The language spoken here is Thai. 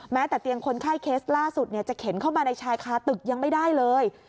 แต่เตียงคนไข้เคสล่าสุดจะเข็นเข้ามาในชายคาตึกยังไม่ได้เลย